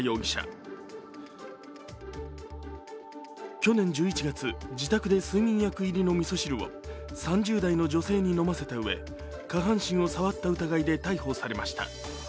去年１１月、自宅で睡眠薬入りのみそ汁を３０代の女性の飲ませたうえ下半身を触った疑いで逮捕されました。